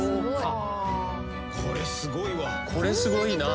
これすごいな。